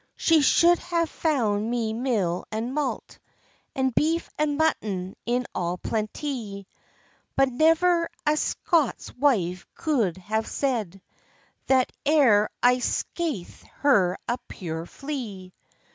"She shou'd have found me meal and mault, And beef and mutton in all plentie; But never a Scots wife cou'd have said, That e'er I skaith'd her a puir flee.